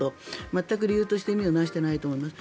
全く理由として意味を成していないと思います。